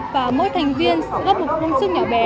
và mỗi thành viên góp một công sức nhỏ bé